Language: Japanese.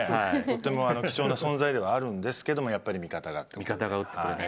とっても貴重な存在ではあるんですけどもやっぱり味方がっていうね。